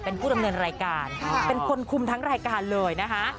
เป็นผู้ดำเนินรายการเป็นคนคุมทั้งรายการเลยนะคะ